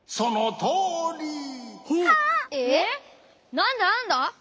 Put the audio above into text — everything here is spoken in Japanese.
なんだなんだ？